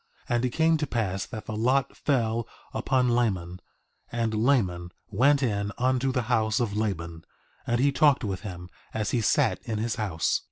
And it came to pass that the lot fell upon Laman; and Laman went in unto the house of Laban, and he talked with him as he sat in his house.